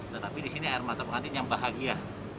tetapi disini air mata pengantin yang bahagia